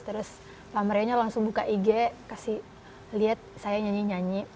terus pak mario nya langsung buka ig kasih lihat saya nyanyi nyanyi